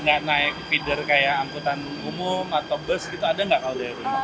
nggak naik feeder kayak angkutan umum atau bus gitu ada nggak kalau dari rumah